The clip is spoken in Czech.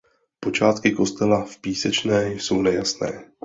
Počátky kostela v Písečné jsou nejasné.